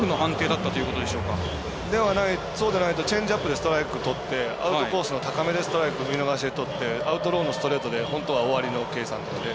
そうでないとチェンジアップでストライクとってアウトローを見逃しでとってアウトローのストライクで本当は終わりの計算なので